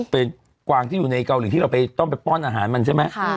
เป็นกวางที่อยู่ในเกาหลีที่เราต้องไปป้อนอาหารมันใช่ไหม